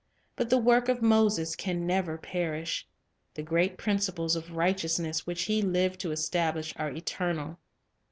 But the work of Moses can never perish. The great principles of right eousness which he lived to establish are eternal.